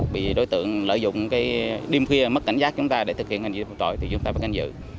bị đối tượng lợi dụng cái đêm khuya mất cảnh giác chúng ta để thực hiện hành vi phạm tội thì chúng ta vẫn canh giữ